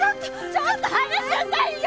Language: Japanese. ちょっと離しなさいよ！